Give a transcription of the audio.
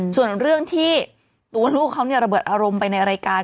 ส่วนเรื่องที่ตัวลูกเขาระเบิดอารมณ์ไปในรายการ